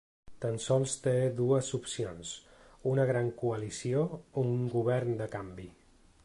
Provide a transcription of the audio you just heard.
Tan sols té dues opcions: una gran coalició o un govern de canvi.